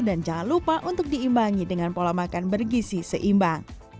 dan jangan lupa untuk diimbangi dengan pola makan bergisi seimbang